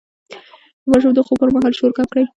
د ماشوم د خوب پر مهال شور کم کړئ.